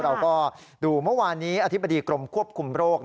เราก็ดูเมื่อวานนี้อธิบดีกรมควบคุมโรค